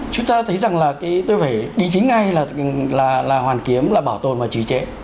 chúng ta thấy rằng là tôi phải đính chính ngay là hoàn kiếm là bảo tồn và trí trệ